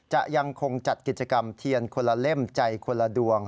จะยังคงจัดกิจกรรมเทียนคนละเล่มใจคนละดวง